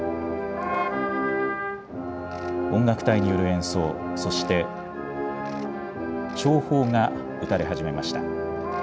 音楽隊による演奏、そして弔砲が打たれ始めました。